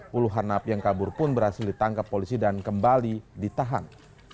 puluhan napi yang kabur pun berhasil ditangkap polisi dan kembali ditahan